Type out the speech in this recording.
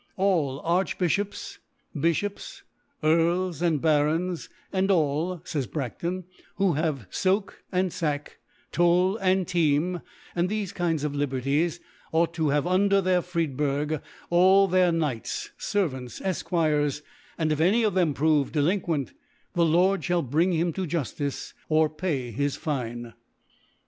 ^ All Archbi(hops, Bifhops, Earls, ^ Barons, and all (fays Bra^on) who have ^ Sok and Sah, Tol and Team, and thefe * Kinds of Liberties, ought to have under • their FRIDHBURGH, all their Knights, '^ Servants, Efquires ; and if any of thebi * prove delinquent, the Lord fliall bring • him to Juftice, or pay his Fine *.